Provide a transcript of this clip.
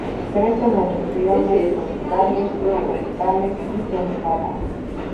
Crecen en regiones tropicales, subtropicales y templadas.